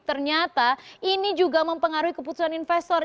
ternyata ini juga mempengaruhi keputusan investor